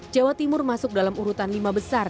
jawa timur masuk dalam urutan lima besar